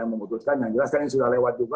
yang memutuskan yang jelas kalian sudah lewat juga